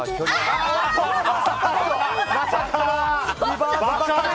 まさかの。